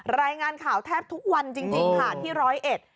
รายงานข่าวแทบทุกวันจริงจริงค่ะที่ร้อยเอ็ด